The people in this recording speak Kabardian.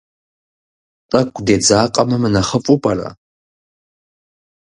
ТӀэкӀу дедзакъэмэ мынэхъыфӀу пӀэрэ?